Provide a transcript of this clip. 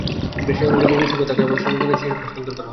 সেই অনুযায়ী রোগীর সঙ্গে থাকা স্বজনের কাছে শিশুকে হস্তান্তর করা হয়।